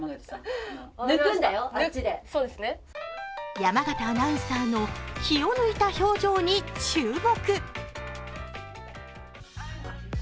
山形アナウンサーの気を抜いた表情に注目。